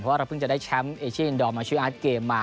เพราะว่าเราเพิ่งจะได้แชมป์เอเชียอินดอร์มาชื่ออาร์ตเกมมา